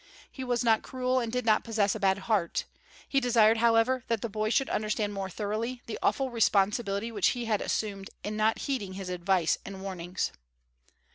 He was not cruel and did not possess a bad heart; he desired, however, that the boy should understand more thoroughly the awful responsibility which he had assumed in not heeding his advice and warnings.